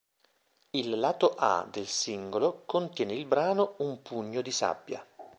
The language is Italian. Il lato A del singolo contiene il brano "Un pugno di sabbia".